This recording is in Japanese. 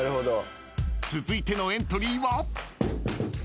［続いてのエントリーは］